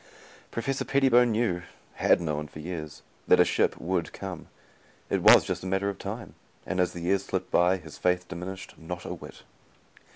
Professor Pettibone knew had known for years that a ship would come. It was just a matter of time, and as the years slipped by, his faith diminished not a whit.